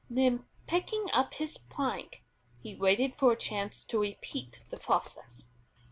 Then picking up his plank, he waited for a chance to repeat the process.